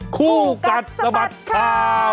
คู่กัดสะบัดข่าว